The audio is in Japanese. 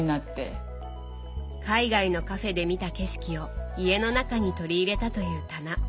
海外のカフェで見た景色を家の中に取り入れたという棚